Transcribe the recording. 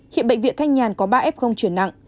hiện bệnh viện thanh nhàn có ba f chuyển nặng